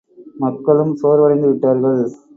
மக்களும் சோர்வடைந்து விட்டார்கள்.